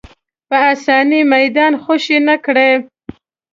په اسانۍ میدان خوشې نه کړي